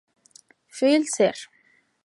Fl., ser.